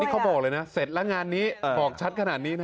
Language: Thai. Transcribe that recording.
เขาบอกเลยนะเสร็จแล้วงานนี้บอกชัดขนาดนี้นะ